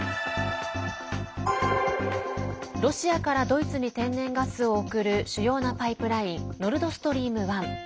ロシアからドイツに天然ガスを送る主要なパイプラインノルドストリーム１。